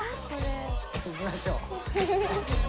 いきましょう。